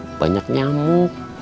terlalu banyak nyamuk